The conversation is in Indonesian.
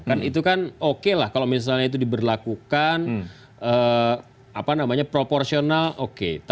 kan itu kan oke lah kalau misalnya itu diberlakukan proporsional oke